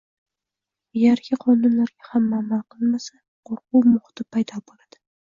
Agarki qonunlarga hamma amal qilmasa, qo‘rquv muhiti paydo bo‘ladi.